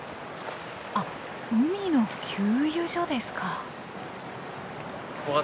あっ海の給油所ですか。